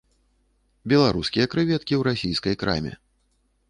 Беларускія крэветкі ў расійскай краме.